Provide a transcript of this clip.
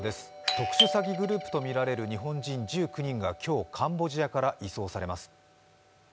特殊詐欺グループとみられる日本人１９人が今日、カンボジアから移送されます。